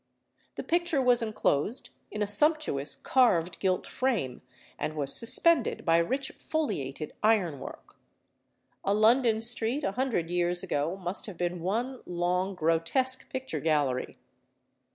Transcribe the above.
The picture was enclosed in a sumptuous carved gilt frame, and was suspended by rich foliated ironwork. A London street a hundred years ago must have been one long grotesque picture gallery.